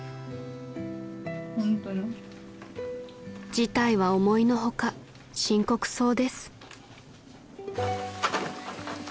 ［事態は思いの外深刻そうです］